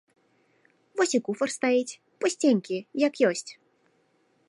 Вось і куфар стаіць, пусценькі, як ёсць.